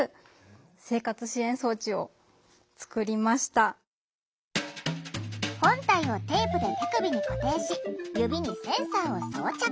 私は本体をテープで手首に固定し指にセンサーを装着。